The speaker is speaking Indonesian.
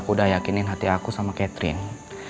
aku udah yakinin hati aku sama catherine